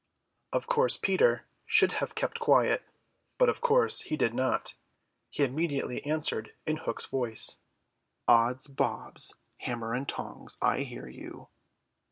Of course Peter should have kept quiet, but of course he did not. He immediately answered in Hook's voice: "Odds, bobs, hammer and tongs, I hear you."